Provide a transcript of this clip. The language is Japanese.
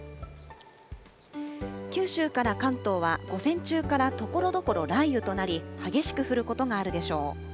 九州から関東は午前中からところどころ、雷雨となり、激しく降ることがあるでしょう。